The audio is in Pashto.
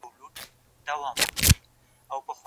د موجوده نسل فکر د پخواني علم پر بنسټ دی.